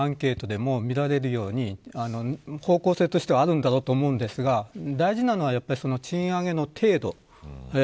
少なくても賃上げの方向性は先ほどの中小企業のアンケートでも見られるように方向性としてはあるんだろうと思うんですが、大事なのは賃上げの程度。